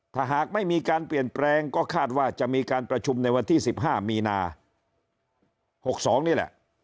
ถ้าหากไม่มีการเปลี่ยนแปลงก็คาดว่าจะมีการประชุมในวันที่๑๕มีนา๖๒นี่แหละ